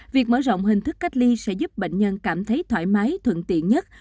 việc mở rộng hình thức cách ly sẽ giúp bệnh nhân cảm thấy thoải mái thuận tiện nhất